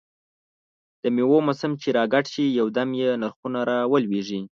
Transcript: دمېوو موسم چې را ګډ شي، یو دم یې نرخونه را ولوېږي.